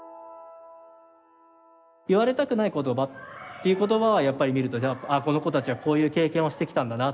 言われたくない言葉っていう言葉はやっぱり見ると「ああこの子たちはこういう経験してきたんだな」